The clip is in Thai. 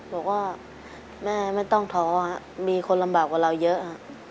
บอกว่าแม่ไม่ต้องท้อมีคนลำบากกว่าเราเยอะ